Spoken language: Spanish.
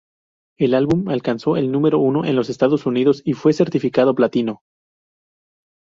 El álbum alcanzó el número uno en los Estados Unidos y fue certificado platino.